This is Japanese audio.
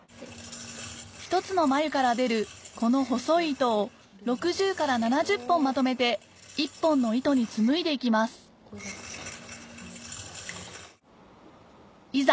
１つの繭から出るこの細い糸を６０から７０本まとめて１本の糸に紡いで行きますいざ